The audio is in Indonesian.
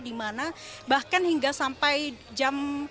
di mana bahkan hingga sampai jam